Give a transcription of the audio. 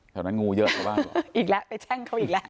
แถวนั้นงูเยอะชาวบ้านอีกแล้วไปแช่งเขาอีกแล้ว